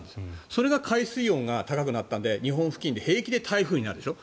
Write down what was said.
それが海水温が高くなったので日本付近で平気で台風になるでしょ？